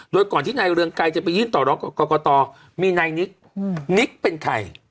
โดยก่อนที่นายเรืองไกรจะไปยื่นต่อร้องกับกรกตมีนายนิคนิกเป็นใคร